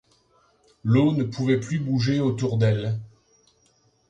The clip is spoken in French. L’eau ne pouvait plus bouger autour d’elles.